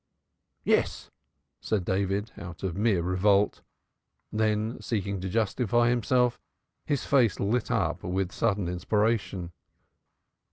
"Yes," said David, out of mere revolt. Then, seeking to justify himself, his face lit up with sudden inspiration.